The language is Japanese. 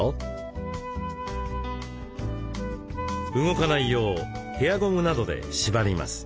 動かないようヘアゴムなどで縛ります。